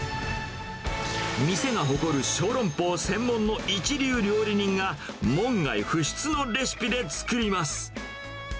店が誇る小籠包専門の一流料理人が、門外不出のレシピで作ります。